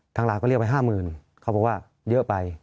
ทั้งหลานก็เรียกว่าห้าหมื่นเขาบอกว่าเยอะไป